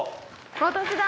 私だ！